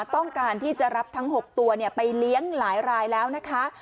ต้องการที่จะรับทั้ง๖ตัวไปเลี้ยงหลายรายแล้วนะคะ